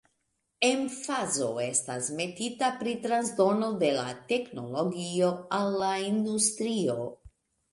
Emfazo estas metita pri transdono de la teknologio al la industrio.